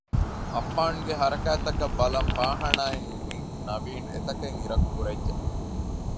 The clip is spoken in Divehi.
އައްފާންގެ ހަރަކާތްތަކަށް ބަލަން ފާހާނާއިން ނިކުތް ނަވީން އެތަށް އިރަކު ހުރެއްޖެ